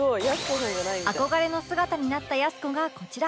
憧れの姿になったやす子がこちら